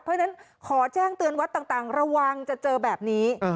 เพราะฉะนั้นขอแจ้งเตือนวัดต่างระวังจะเจอแบบนี้